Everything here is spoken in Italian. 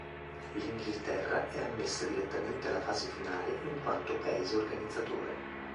L'Inghilterra è ammessa direttamente alla fase finale in quanto paese organizzatore.